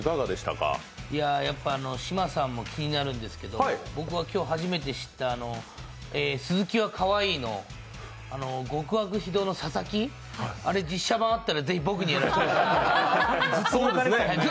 やっぱ「島さん」も気になるんですけど、僕は今日初めて知った「鈴木は可愛い」の極悪非道の佐々木、あれ、実写版があったらぜひ、僕にやらせてください。